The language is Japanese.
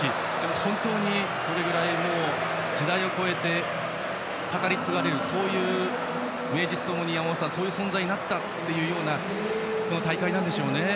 本当にそのくらい時代を越えて語り継がれる名実ともにそういう存在になったというような大会なんでしょうね。